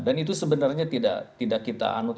dan itu sebenarnya tidak kita anut